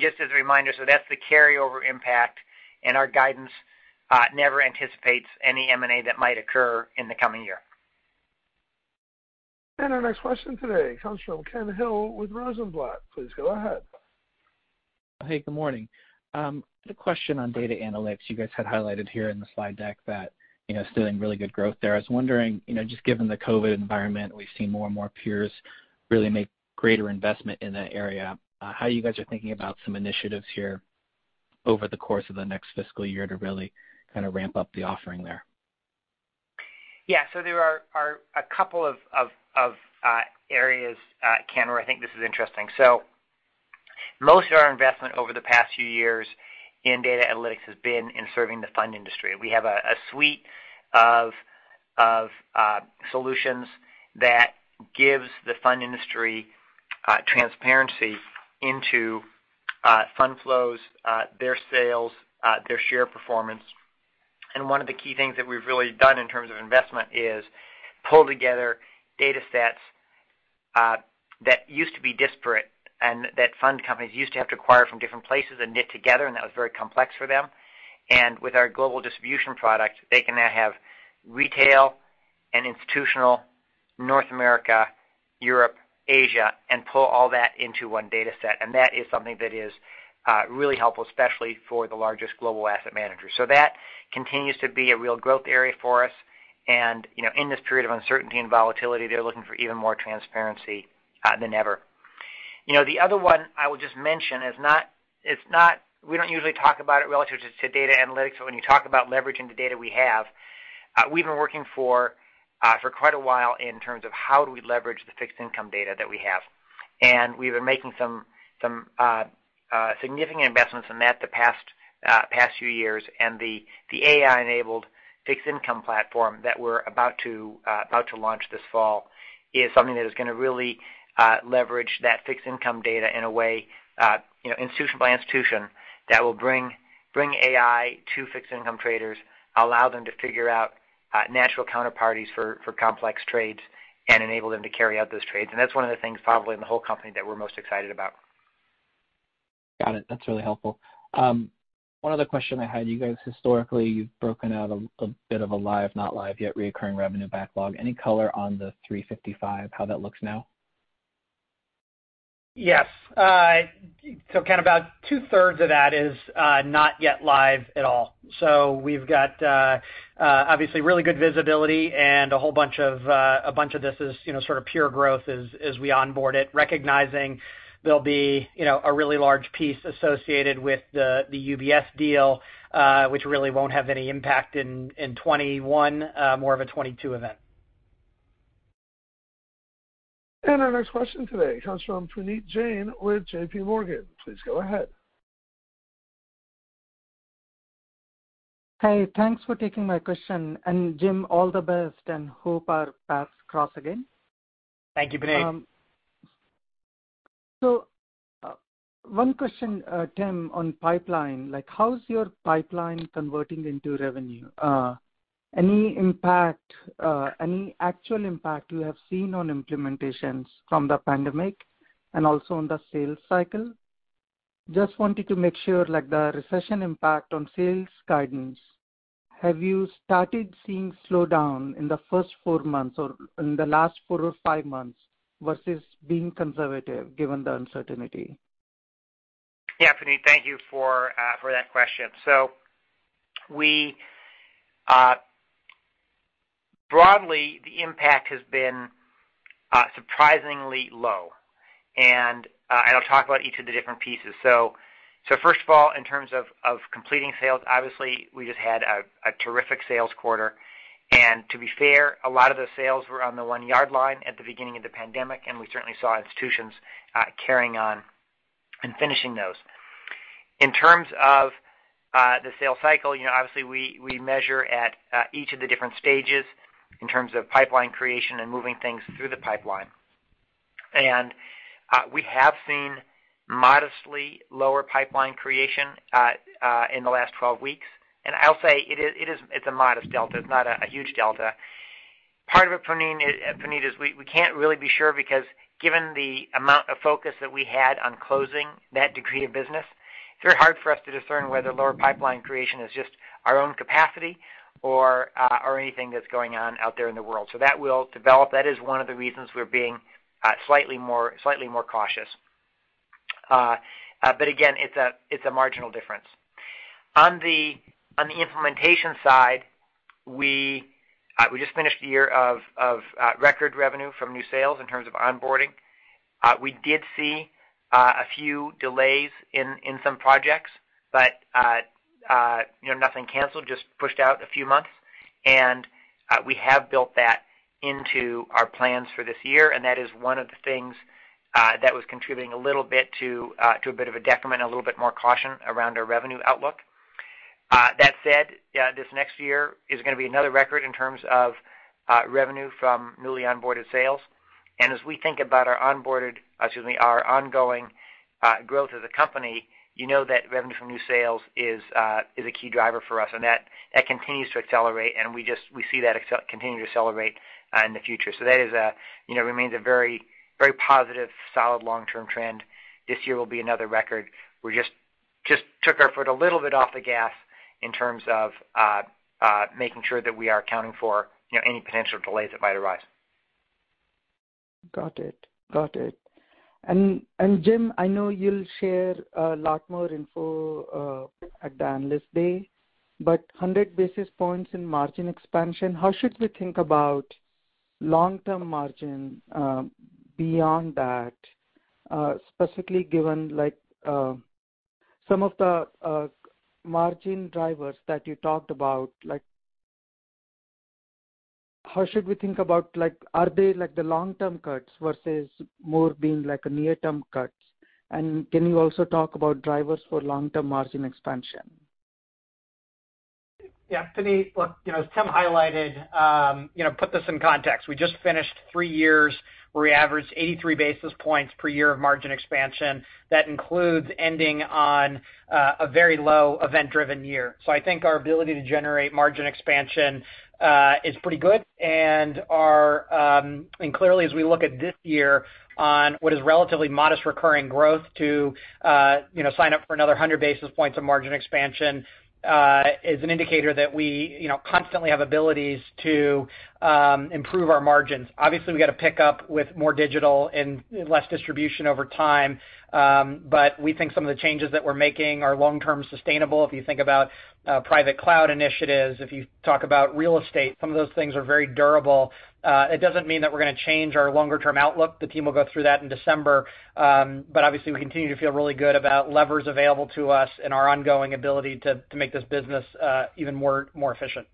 Just as a reminder, that's the carryover impact, and our guidance never anticipates any M&A that might occur in the coming year. Our next question today comes from Kenneth Hill with Rosenblatt. Please go ahead. Hey, good morning. Had a question on data analytics. You guys had highlighted here in the slide deck that seeing really good growth there. I was wondering, just given the COVID environment, we've seen more and more peers really make greater investment in that area. How are you guys thinking about some initiatives here over the course of the next fiscal year to really kind of ramp up the offering there? Yeah. There are a couple of areas, Kenneth, where I think this is interesting. Most of our investment over the past few years in data analytics has been in serving the fund industry. We have a suite of solutions that gives the fund industry transparency into fund flows, their sales, their share performance. One of the key things that we've really done in terms of investment is pull together data sets that used to be disparate and that fund companies used to have to acquire from different places and knit together, and that was very complex for them. With our global distribution product, they can now have retail and institutional, North America, Europe, Asia, and pull all that into one data set, and that is something that is really helpful, especially for the largest global asset managers. That continues to be a real growth area for us. In this period of uncertainty and volatility, they're looking for even more transparency than ever. The other one I would just mention is we don't usually talk about it relative to data analytics, but when you talk about leveraging the data we have, we've been working for quite a while in terms of how do we leverage the fixed income data that we have. We've been making some significant investments in that the past few years. The AI-enabled fixed income platform that we're about to launch this fall is something that is going to really leverage that fixed income data in a way, institution by institution, that will bring AI to fixed income traders, allow them to figure out natural counterparties for complex trades, and enable them to carry out those trades. That's one of the things probably in the whole company that we're most excited about. Got it. That's really helpful. One other question I had. You guys historically, you've broken out a bit of a live, not live yet recurring revenue backlog. Any color on the $355, how that looks now? Yes. Kenneth, about two-thirds of that is not yet live at all. We've got obviously really good visibility and a whole bunch of this is sort of pure growth as we onboard it, recognizing there'll be a really large piece associated with the UBS deal, which really won't have any impact in 2021, more of a 2022 event. Our next question today comes from Puneet Jain with JPMorgan. Please go ahead. Hey, thanks for taking my question. James Young, all the best, and hope our paths cross again. Thank you, Puneet. One question, Timothy, on pipeline. How's your pipeline converting into revenue? Any actual impact you have seen on implementations from the pandemic and also on the sales cycle? Just wanted to make sure, like, the recession impact on sales guidance, have you started seeing slowdown in the first four months or in the last four or five months versus being conservative given the uncertainty? Yeah, Puneet, thank you for that question. Broadly, the impact has been surprisingly low. I'll talk about each of the different pieces. First of all, in terms of completing sales, obviously, we just had a terrific sales quarter. To be fair, a lot of those sales were on the one-yard line at the beginning of the pandemic, we certainly saw institutions carrying on and finishing those. In terms of the sales cycle, obviously, we measure at each of the different stages in terms of pipeline creation and moving things through the pipeline. We have seen modestly lower pipeline creation in the last 12 weeks. I'll say it's a modest delta. It's not a huge delta. Part of it, Puneet, is we can't really be sure because given the amount of focus that we had on closing that degree of business, it's very hard for us to discern whether lower pipeline creation is just our own capacity or anything that's going on out there in the world. That will develop. That is one of the reasons we're being slightly more cautious. Again, it's a marginal difference. On the implementation side, we just finished a year of record revenue from new sales in terms of onboarding. We did see a few delays in some projects, but nothing canceled, just pushed out a few months. We have built that into our plans for this year, and that is one of the things that was contributing a little bit to a bit of a decrement, a little bit more caution around our revenue outlook. That said, this next year is going to be another record in terms of revenue from newly onboarded sales. As we think about our onboarded, excuse me, our ongoing growth as a company, you know that revenue from new sales is a key driver for us, and that continues to accelerate, and we see that continuing to accelerate in the future. That remains a very positive, solid long-term trend. This year will be another record. We just took our foot a little bit off the gas in terms of making sure that we are accounting for any potential delays that might arise. Got it. James, I know you'll share a lot more info at the Analyst Day, but 100 basis points in margin expansion, how should we think about long-term margin beyond that, specifically given some of the margin drivers that you talked about? How should we think about, are they the long-term cuts versus more being near-term cuts? Can you also talk about drivers for long-term margin expansion? Puneet. Look, as Timothy Gokey highlighted, put this in context. We just finished three years where we averaged 83 basis points per year of margin expansion. That includes ending on a very low event-driven year. I think our ability to generate margin expansion is pretty good and clearly as we look at this year on what is relatively modest recurring growth to sign up for another 100 basis points of margin expansion, is an indicator that we constantly have abilities to improve our margins. Obviously, we got to pick up with more digital and less distribution over time. We think some of the changes that we're making are long-term sustainable. If you think about private cloud initiatives, if you talk about real estate, some of those things are very durable. It doesn't mean that we're going to change our longer-term outlook. The team will go through that in December. Obviously we continue to feel really good about levers available to us and our ongoing ability to make this business even more efficient.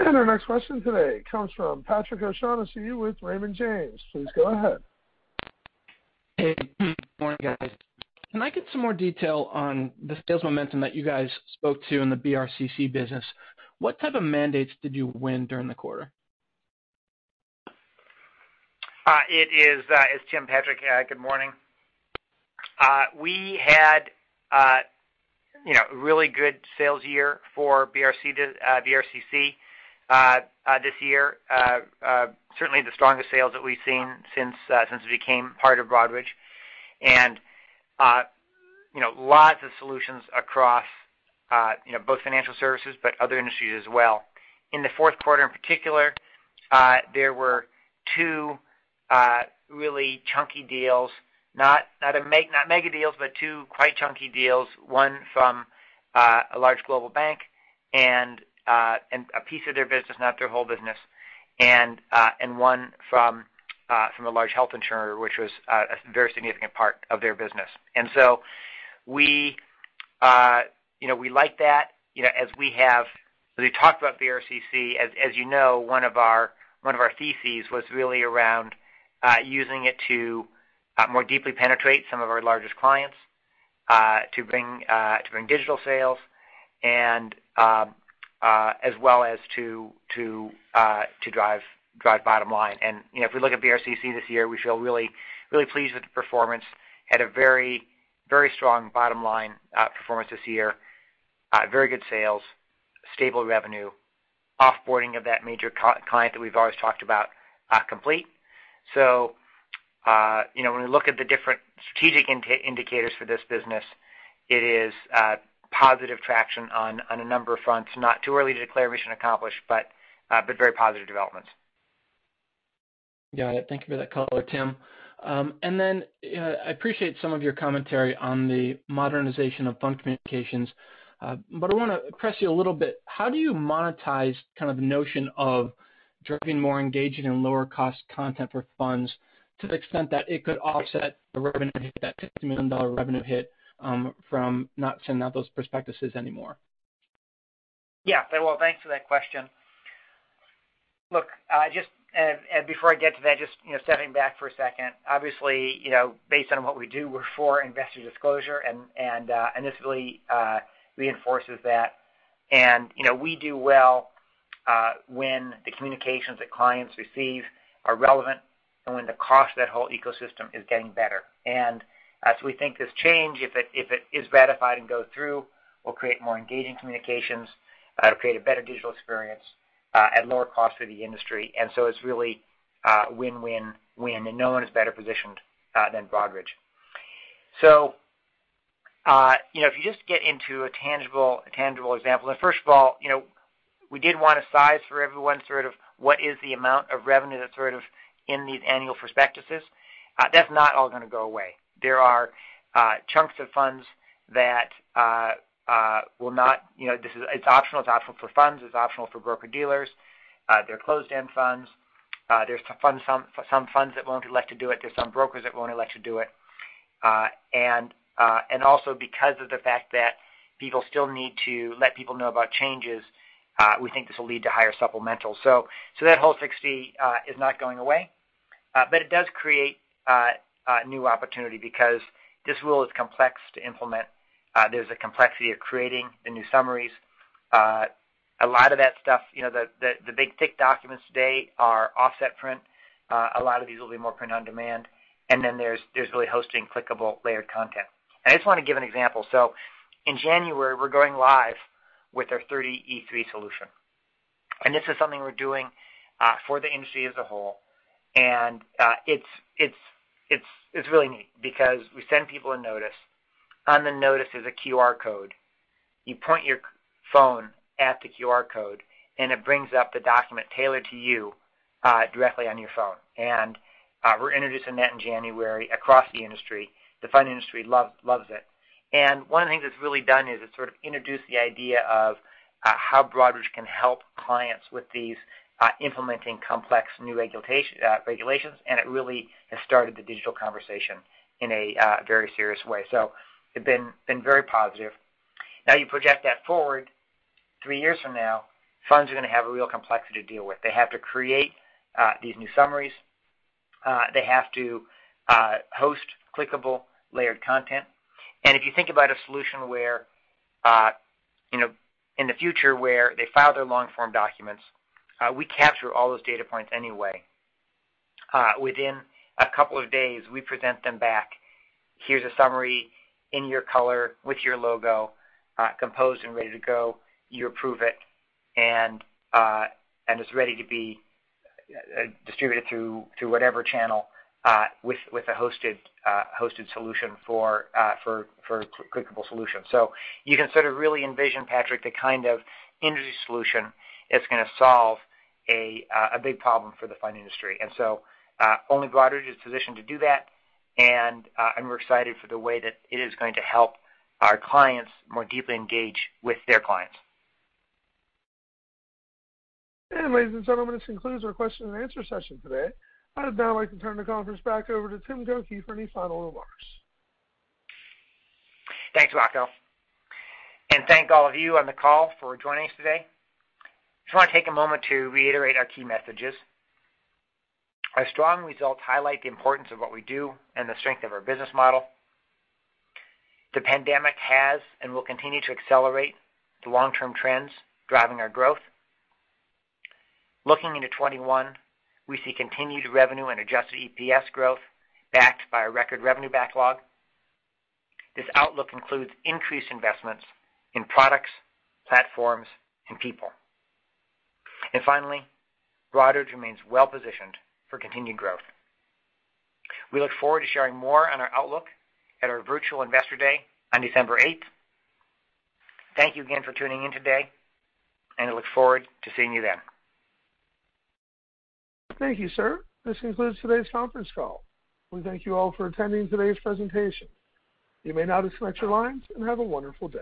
Our next question today comes from Patrick O'Shaughnessy with Raymond James. Please go ahead. Hey, good morning guys. Can I get some more detail on the sales momentum that you guys spoke to in the BRCC business? What type of mandates did you win during the quarter? It is Timothy Gokey, Patrick. Good morning. We had a really good sales year for BRCC this year. Certainly the strongest sales that we've seen since it became part of Broadridge. Lots of solutions across both financial services but other industries as well. In the fourth quarter in particular, there were two really chunky deals, not mega deals, but two quite chunky deals. One from a large global bank and a piece of their business, not their whole business. One from a large health insurer, which was a very significant part of their business. We liked that as we talked about BRCC, as you know, one of our theses was really around using it to more deeply penetrate some of our largest clients, to bring digital sales and as well as to drive bottom line. If we look at BRCC this year, we feel really pleased with the performance. Had a very strong bottom line performance this year. Very good sales, stable revenue, off-boarding of that major client that we've always talked about complete. When we look at the different strategic indicators for this business, it is positive traction on a number of fronts. Not too early to declare mission accomplished, but very positive developments. Got it. Thank you for that color, Timothy. I appreciate some of your commentary on the modernization of fund communications. I want to press you a little bit. How do you monetize kind of the notion of driving more engagement and lower cost content for funds to the extent that it could offset the revenue hit, that $50 million revenue hit from not sending out those prospectuses anymore? Yeah. Well, thanks for that question. Look, before I get to that, just stepping back for a second. Obviously, based on what we do, we're for investor disclosure, and this really reinforces that. We do well when the communications that clients receive are relevant and when the cost of that whole ecosystem is getting better. As we think it has changed, it is verified and goes through, we'll create more engaging communications, we'll create better digital experience and more cost for the industry. It's really a win-win-win, and no one is better positioned than Broadridge. If you just get into a tangible example. First of all, we did want to size for everyone sort of what is the amount of revenue that's sort of in these annual prospectuses. That's not all going to go away. There are chunks of funds that will not It's optional. It's optional for funds, it's optional for broker-dealers. They're closed-end funds. There's some funds that won't elect to do it. There's some brokers that won't elect to do it. Because of the fact that people still need to let people know about changes, we think this will lead to higher supplementals. That whole $60 million is not going away. It does create new opportunity because this Rule 30e-3 is complex to implement. There's a complexity of creating the new summaries. A lot of that stuff, the big thick documents today are offset print. A lot of these will be more print on demand. There's really hosting clickable layered content. I just want to give an example. In January, we're going live with our Rule 30e-3 solution. This is something we're doing for the industry as a whole. It's really neat because we send people a notice. On the notice is a QR code. You point your phone at the QR code, and it brings up the document tailored to you directly on your phone. We're introducing that in January across the industry. The fund industry loves it. One of the things that's really done is it's sort of introduced the idea of how Broadridge can help clients with these implementing complex new regulations. It really has started the digital conversation in a very serious way. It's been very positive. Now you project that forward. Three years from now, funds are going to have a real complexity to deal with. They have to create these new summaries. They have to host clickable layered content. If you think about a solution where, in the future, where they file their long form documents, we capture all those data points anyway. Within a couple of days, we present them back. Here's a summary in your color, with your logo, composed and ready to go. You approve it, and it's ready to be distributed through whatever channel, with a hosted solution for clickable solution. You can sort of really envision, Patrick, the kind of industry solution that's going to solve a big problem for the fund industry. Only Broadridge is positioned to do that, and we're excited for the way that it is going to help our clients more deeply engage with their clients. Ladies and gentlemen, this concludes our question and answer session today. I'd now like to turn the conference back over to Timothy Gokey for any final remarks. Thanks, Rocco. Thank all of you on the call for joining us today. Just want to take a moment to reiterate our key messages. Our strong results highlight the importance of what we do and the strength of our business model. The pandemic has, and will continue to accelerate, the long-term trends driving our growth. Looking into 2021, we see continued revenue and adjusted EPS growth backed by a record revenue backlog. This outlook includes increased investments in products, platforms, and people. Finally, Broadridge remains well-positioned for continued growth. We look forward to sharing more on our outlook at our virtual Investor Day on December 8th. Thank you again for tuning in today, and I look forward to seeing you then. Thank you, sir. This concludes today's conference call. We thank you all for attending today's presentation. You may now disconnect your lines, and have a wonderful day.